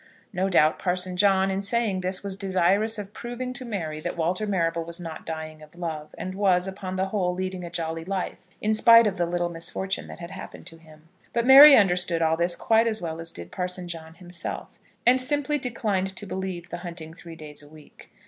No doubt Parson John, in saying this, was desirous of proving to Mary that Walter Marrable was not dying of love, and was, upon the whole, leading a jolly life, in spite of the little misfortune that had happened to him. But Mary understood all this quite as well as did Parson John himself; and simply declined to believe the hunting three days a week.